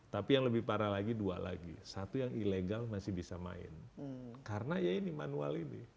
tapi yang lebih parah lagi dua lagi satu yang ilegal masih bisa main karena ya ini manual ini